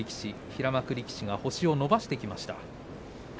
平幕力士が星を伸ばしてきました。